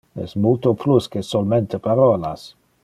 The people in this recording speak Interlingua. E multo plus que solmente parolas.